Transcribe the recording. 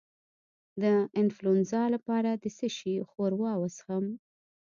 د انفلونزا لپاره د څه شي ښوروا وڅښم؟